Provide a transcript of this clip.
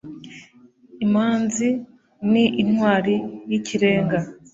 imanzi ni intwari y'ikirenga